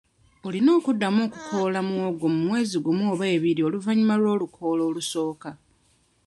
Olina okuddamu okukoola muwogo mu mwezi gumu oba ebiri oluvannyuma lw'olukoola olusooka.